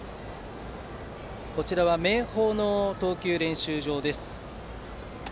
明豊の投球練習場です。